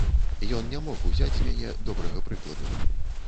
Ён не мог узяць з мяне добрага прыкладу.